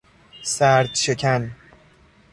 سردشکن